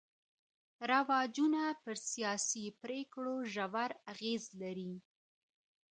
رواجونه پر سياسي پرېکړو ژور اغېز لري.